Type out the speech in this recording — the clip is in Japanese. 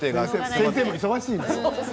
先生も忙しいのよ。